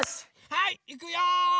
はいいくよ。